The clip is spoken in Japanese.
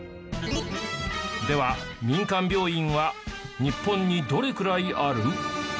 では民間病院は日本にどれくらいある？